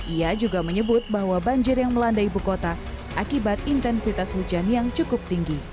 ia juga menyebut bahwa banjir yang melanda ibu kota akibat intensitas hujan yang cukup tinggi